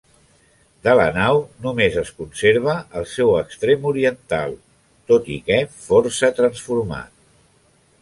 De la nau només es conserva el seu extrem oriental, tot i que força transformat.